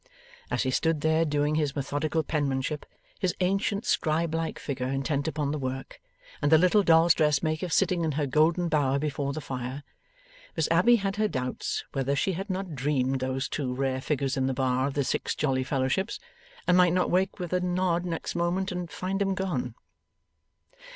As he stood there, doing his methodical penmanship, his ancient scribelike figure intent upon the work, and the little dolls' dressmaker sitting in her golden bower before the fire, Miss Abbey had her doubts whether she had not dreamed those two rare figures into the bar of the Six Jolly Fellowships, and might not wake with a nod next moment and find them gone.